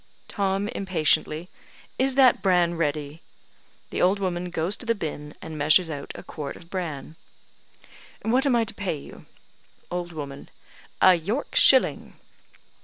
Tom (impatiently): "Is that bran ready?" (The old woman goes to the binn, and measures out a quart of bran.) "What am I to pay you?" Old woman: "A York shilling."